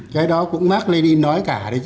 cái đó cũng mạc lê ninh nói cả đấy chứ